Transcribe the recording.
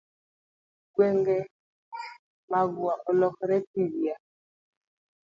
Gwenge magwa olokore thidhya.